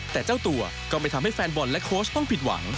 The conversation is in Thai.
แต่เจ้าตัวก็ไม่ทำให้แฟนบอลและโค้ชต้องผิดหวัง